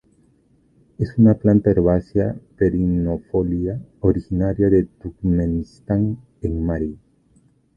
Es una planta herbácea perennifolia originaria de Turkmenistán en Mary.